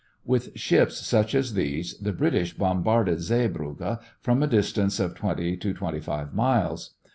With ships such as these the British bombarded Zeebrugge from a distance of twenty to twenty five miles.